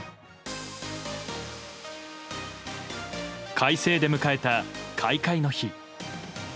快晴で迎えた開会の日。